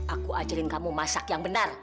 aku ajarin kamu masak yang benar